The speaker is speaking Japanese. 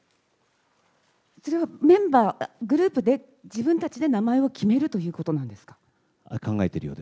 それはメンバー、グループで、自分たちで名前を決めるということなんですか。